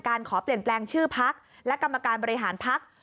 ขอเปลี่ยนแปลงชื่อพักและกรรมการบริหารพัก